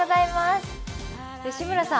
吉村さん